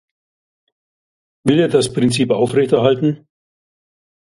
Will er das Prinzip aufrechterhalten?